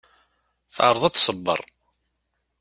Teεreḍ ad t-tṣebber.